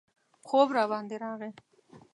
خوب راباندې راغی.